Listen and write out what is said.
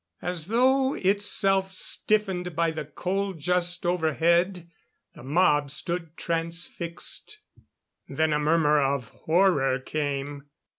As though itself stiffened by the cold just overhead, the mob stood transfixed. Then a murmur of horror came.